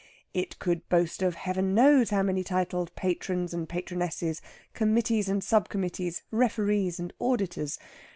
It could boast of Heaven knows how many titled Patrons and Patronesses, Committees and Sub committees, Referees and Auditors.